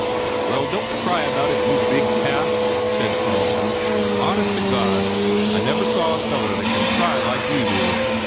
"Well, don t cry about it, you big calf," said Carlson, "Honest to God, I never saw a feller that can cry like you do